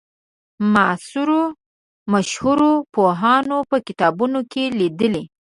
معاصرو مشهورو پوهانو په کتابونو کې لیدلې.